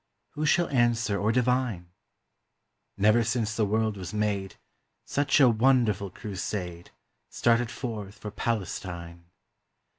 Who shall answer or divine? Never since the world was made Such a wonderful crusade Started forth for Palestine.